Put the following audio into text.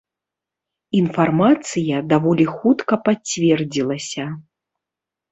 Інфармацыя даволі хутка пацвердзілася.